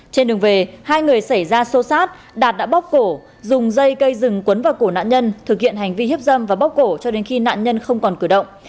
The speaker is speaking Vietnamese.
trên đường về hai người xảy ra xô xát đạt đã bóc cổ dùng dây cây rừng quấn vào cổ nạn nhân thực hiện hành vi hiếp dâm và bóc cổ cho đến khi nạn nhân không còn cử động